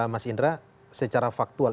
mas indra secara faktual